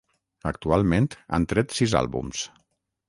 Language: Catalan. Actualment han tret sis àlbums.